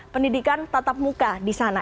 pendidikan tatap muka di sana